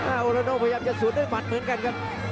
หน้าโอโรโน่พยายามจะสูดด้วยบัตรเหมือนกันครับ